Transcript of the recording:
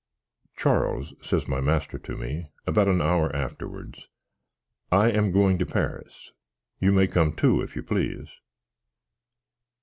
"Charles," says my master to me, about an hour afterwards, "I am going to Paris; you may come, too, if you please."